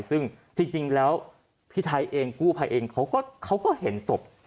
ซึ่งจริงแล้วพี่ไทยเองกู้ภัยเองเขาก็เห็นศพ